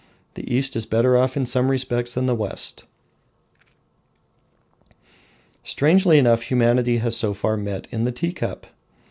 the East is better off in some respects than the West! Strangely enough humanity has so far met in the tea cup.